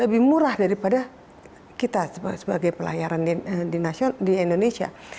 lebih murah daripada kita sebagai pelayaran di indonesia